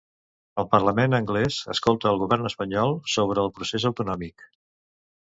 El parlament anglès escolta el govern espanyol sobre el procés autonòmic.